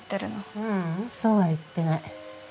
ううんそうは言ってない。